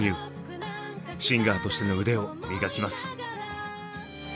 シンガーとしての腕を磨きます。